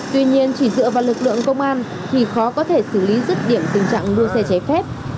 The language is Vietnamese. tuy nhiên chỉ dựa vào lực lượng công an thì khó có thể xử lý rứt điểm tình trạng đua xe trái phép